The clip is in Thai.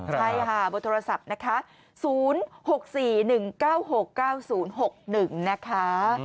ใช่เบอร์โทรศัพท์๐๖๔๑๙๖๙๐๖๑นะคะ